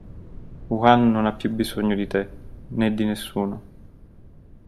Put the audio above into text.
Juan non ha più bisogno di te, né di nessuno.